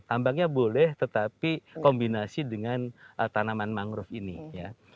tambangnya boleh tetapi kombinasi dengan tanaman mangrove ini ya